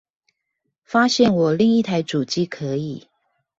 發現我另一台主機可以